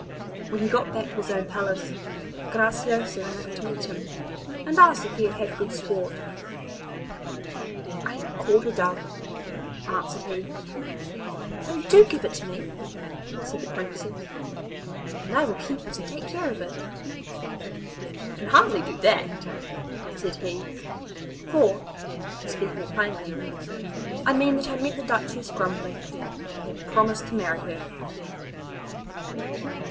When he got back to his own palace Graciosa ran out to meet him, and asked if he had had good sport. 'I have caught a dove,' answered he. 'Oh! do give it to me,' said the Princess, 'and I will keep it and take care of it.' 'I can hardly do that,' said he, 'for, to speak more plainly, I mean that I met the Duchess Grumbly, and have promised to marry her.